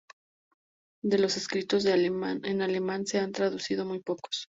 De los escritos en alemán se han traducido muy pocos.